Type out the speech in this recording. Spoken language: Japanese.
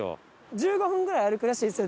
１５分ぐらい歩くらしいですよ